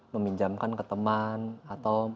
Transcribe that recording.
meminjamkan ke teman atau